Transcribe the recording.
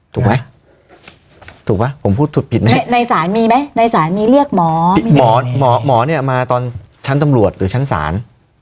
ถูกไหมถูกไหมผมพูดถูกผิดไหมในศาลมีไหมในศาลมีเรียกหมอหมอเนี่ยมาตอนชั้นตำรวจหรือชั้นศาล